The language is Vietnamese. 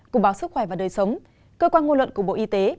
cục báo sức khỏe và đời sống cơ quan ngôn luận của bộ y tế